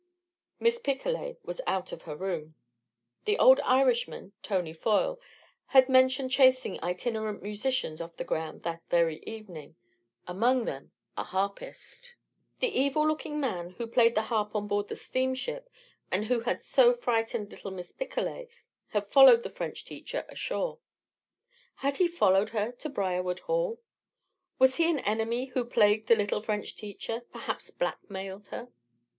Miss Picolet was out of her room. The old Irishman, Tony Foyle, had mentioned chasing itinerant musicians off the grounds that very evening among them a harpist. The evil looking man who played the harp on board the steamship, and who had so frightened little Miss Picolet, had followed the French teacher ashore. Had he followed her to Briarwood Hall? Was he an enemy who plagued the little French teacher perhaps blackmailed her?